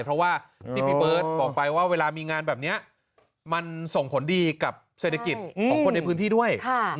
เพราะว่าที่พี่เบิร์ตบอกไปว่าเวลามีงานแบบนี้มันส่งผลดีกับเศรษฐกิจของคนในพื้นที่ด้วย